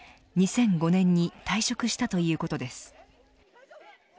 ２００５年に退職したということです。